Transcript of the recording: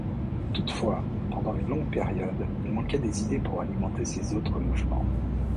Toutefois, pendant une longue période, il manquait des idées pour alimenter ces autres mouvements.